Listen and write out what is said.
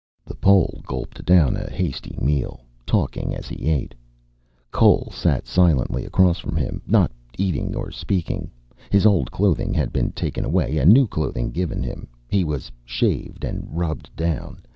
The Pole gulped down a hasty meal, talking as he ate. Cole sat silently across from him, not eating or speaking. His old clothing had been taken away and new clothing given him. He was shaved and rubbed down.